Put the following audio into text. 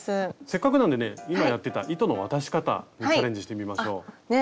せっかくなんでね今やってた糸の渡し方にチャレンジしてみましょう。ね！